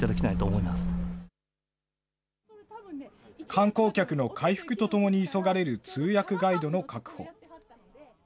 観光客の回復とともに急がれる通訳ガイドの確保。